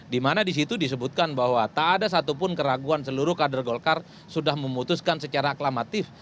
dimana disitu disebutkan bahwa tak ada satupun keraguan seluruh kader golkar sudah memutuskan secara aklamatif